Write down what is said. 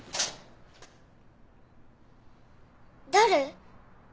誰？